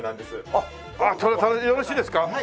よろしいですか？